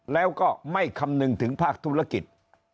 แล้วก็ไม่คำนึงถึงภาคธุรกิจ